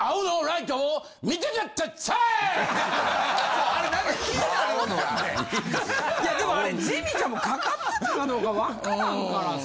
いれでもあれジミーちゃんもかかってたかどうかわからんからさ。